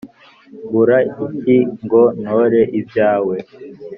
mbura iki ngo ntore ibyawe?